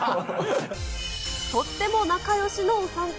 とっても仲よしのお三方。